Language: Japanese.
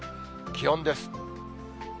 気温です。